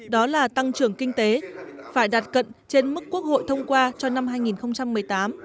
đó là tăng trưởng kinh tế phải đạt cận trên mức quốc hội thông qua cho năm hai nghìn một mươi tám